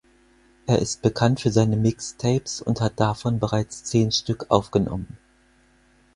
Er ist bekannt für seine Mixtapes und hat davon bereits zehn Stück aufgenommen.